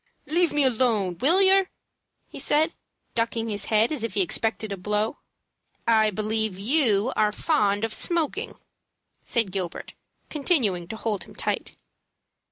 "Leave me alone, will yer?" he said, ducking his head as if he expected a blow. "I believe you are fond of smoking," said Gilbert, continuing to hold him tight.